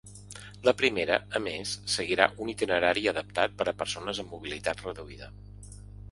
La primera, a més, seguirà un itinerari adaptat per a persones amb mobilitat reduïda.